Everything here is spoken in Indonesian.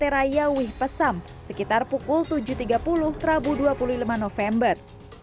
raya wih pesam sekitar pukul tujuh tiga puluh rabu dua puluh lima november